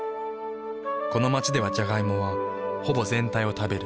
この街ではジャガイモはほぼ全体を食べる。